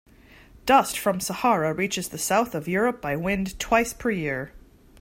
Dust from Sahara reaches the south of Europe by wind twice per year.